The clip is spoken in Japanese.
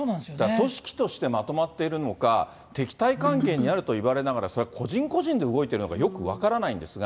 組織としてまとまっているのか、敵対関係にあるといわれながら、それは個人個人で動いているのか、よく分からないんですが。